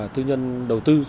tư nhân đầu tư